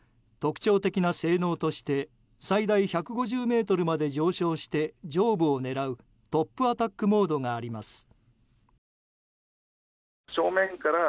特徴的な性能として最大１５０ｍまで上昇して上部を狙うトップアタックモードがあります。